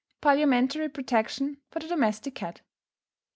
PARLIAMENTARY PROTECTION FOR THE DOMESTIC CAT.